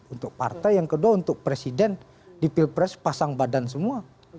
untuk partai yang kedua untuk presiden di pilpres pasang badan semua